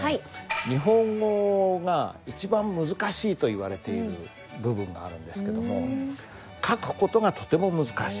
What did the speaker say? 日本語が一番難しいといわれている部分があるんですけども書く事がとても難しい。